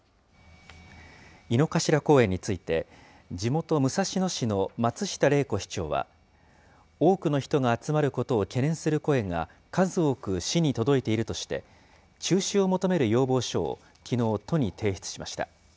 井の頭公園について、地元、武蔵野市の松下玲子市長は、多くの人が集まることを懸念する声が数多く市に届いているとして、中止を求める要望書を、きのう都に提出しました。